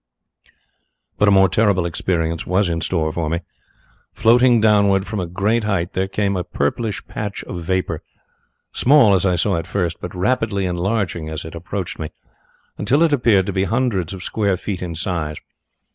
"But a more terrible experience was in store for me. Floating downwards from a great height there came a purplish patch of vapour, small as I saw it first, but rapidly enlarging as it approached me, until it appeared to be hundreds of square feet in size.